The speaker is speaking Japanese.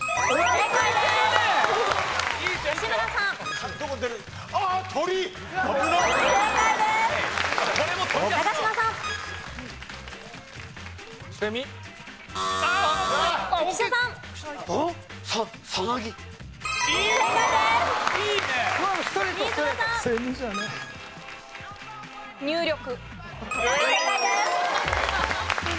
正解です。